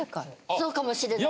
そうかもしれない。